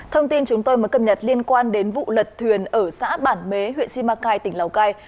thông tin chúng tôi mới cập nhật liên quan đến vụ lật thuyền ở xã bản mế huyện si ma cai tỉnh lào cai